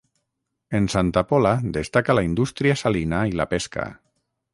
En Santa Pola destaca la indústria salina i la pesca.